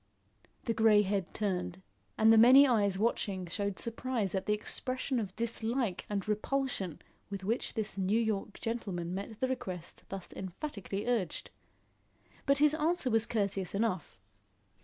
The grey head turned, and the many eyes watching showed surprise at the expression of dislike and repulsion with which this New York gentleman met the request thus emphatically urged. But his answer was courteous enough.